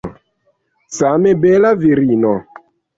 Same bela virino.